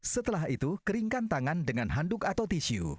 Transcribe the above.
setelah itu keringkan tangan dengan handuk atau tisu